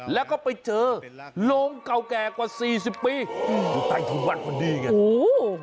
แล้วก็ไปเจอลงเก่าแก่กว่าสี่สิบปีคือใต้ที่วัฒน์มันดีเนี้ยโอ้โห